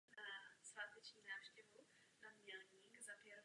Oba jeho rodiče byli ruští židé.